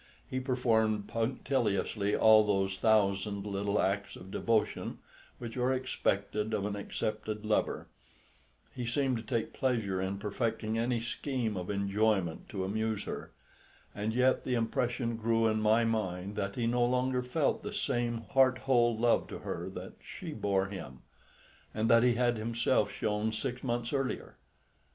He performed punctiliously all those thousand little acts of devotion which are expected of an accepted lover; he seemed to take pleasure in perfecting any scheme of enjoyment to amuse her; and yet the impression grew in my mind that he no longer felt the same heart whole love to her that she bore him, and that he had himself shown six months earlier.